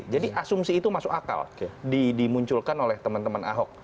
jadi asumsi itu masuk akal dimunculkan oleh teman teman ahok